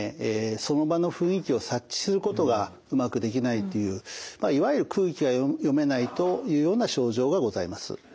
その場の雰囲気を察知することがうまくできないというまあいわゆる空気が読めないというような症状がございます。